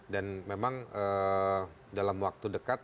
dan memang dalam waktu dekat